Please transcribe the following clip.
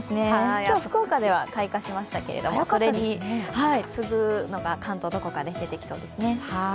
今日、福岡では開花しましたけれどもそれに次ぐのが関東のどこかで出てきそうですね。